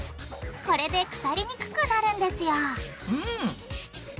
これで腐りにくくなるんですようん！